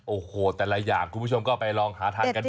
โอ้โหแต่ละอย่างคุณผู้ชมก็ไปลองหาทานกันดู